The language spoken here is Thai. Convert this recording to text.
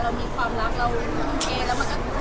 ว่าพอร์ตลองเรามีความรัก